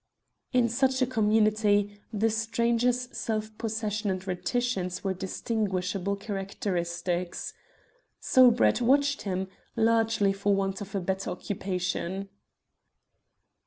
In such a community the stranger's self possession and reticence were distinguishable characteristics. So Brett watched him, largely for want of better occupation.